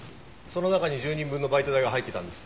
その中に１０人分のバイト代が入ってたんです。